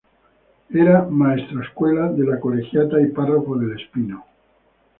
Era Maestrescuela de la Colegiata y párroco del Espino.